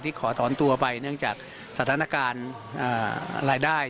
ขอถอนตัวไปเนื่องจากสถานการณ์รายได้